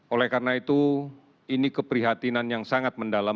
oleh karena itu ini keprihatinan yang sangat mendalam